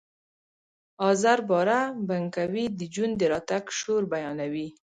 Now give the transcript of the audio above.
آزر باره بنکوی د جون د راتګ شور بیانوي